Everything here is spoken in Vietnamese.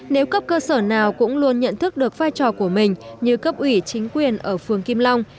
nếu cấp cơ sở nào cũng luôn nhận thức được vai trò của mình như cấp ủy chính quyền ở phường kim long